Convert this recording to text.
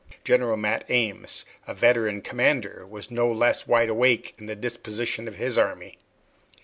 General Mat Ames, a veteran commander, was no less wide awake in the disposition of his army.